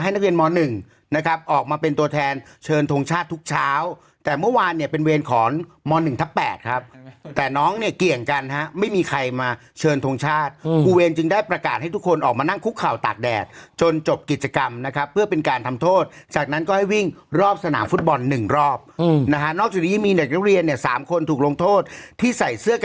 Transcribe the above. ทุกเช้าแต่เมื่อวานเนี่ยเป็นเวรขอนม๑ทับ๘ครับแต่น้องเนี่ยเกี่ยวกันฮะไม่มีใครมาเชิญทรงชาติครูเวรจึงได้ประกาศให้ทุกคนออกมานั่งคุกเข่าตากแดดจนจบกิจกรรมนะครับเพื่อเป็นการทำโทษจากนั้นก็ให้วิ่งรอบสนามฟุตบอลหนึ่งรอบนะฮะนอกจากนี้มีเนื้อเรียนเนี่ยสามคนถูกลงโทษที่ใส่เสื้